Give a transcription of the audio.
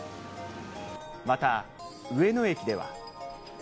また上野駅では。